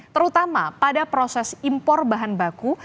terutama pada proses impor bahan baku